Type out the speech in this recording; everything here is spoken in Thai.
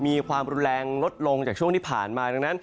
มีความแรงลดลงจากช่วงที่ผ่านมา